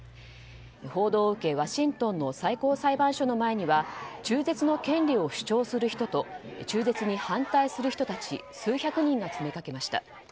報道を受け、ワシントンの最高裁判所の前には中絶の権利を主張する人と中絶に反対する人たち数百人が詰めかけました。